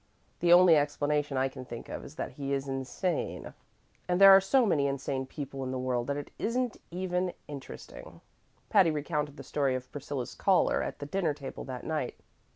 The only explanation I can think of is that he is insane, and there are so many insane people in the world that it isn't even interesting." Patty recounted the story of Priscilla's caller at the dinner table that night.